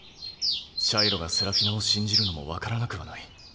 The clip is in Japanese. シャイロがセラフィナを信じるのも分からなくはない。